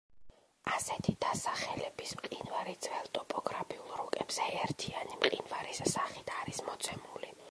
ასეთი დასახელების მყინვარი ძველ ტოპოგრაფიულ რუკებზე ერთიანი მყინვარის სახით არის მოცემული.